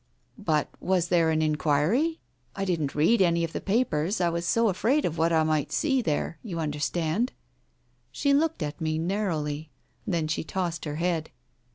"But was there an inquiry? I didn't read any of the papers, I was so afraid of what I might see there ... you understand?" She looked at me narrowly. Then she tossed her head.